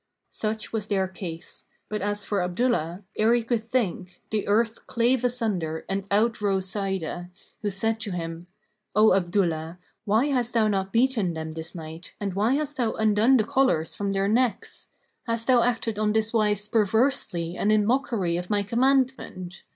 Such was their case; but as for Abdullah, ere he could think, the earth clave asunder and out rose Sa'idah, who said to him, "O Abdullah, why hast thou not beaten them this night and why hast thou undone the collars from their necks? Hast thou acted on this wise perversely and in mockery of my commandment?